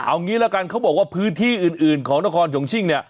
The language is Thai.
เอางี้ละกันเขาบอกว่าพื้นที่อื่นของนครชงชิ่งเนี่ย